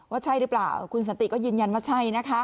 ใช่หรือเปล่าคุณสันติก็ยืนยันว่าใช่นะคะ